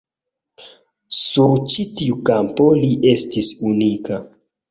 Sur ĉi tiu kampo li estis unika.